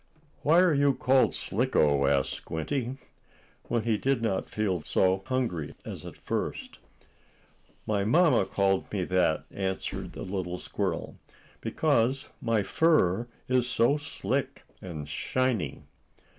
"Why are you called Slicko?" asked Squinty, when he did not feel quite so hungry as at first. "My mamma called me that," answered the little squirrel, "because my fur is so slick and shiny."